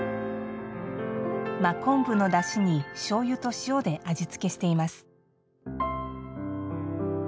真昆布のだしにしょうゆと塩で味付けしています。